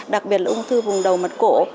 đặc biệt là ung thư vùng đầu mặt cổ